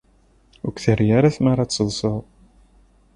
Ur k-terri ara tmara ad d-tased.